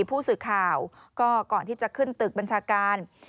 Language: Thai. ผู้สื่อข่าวก็ก่อนที่จะขึ้นตึกบัญชาการ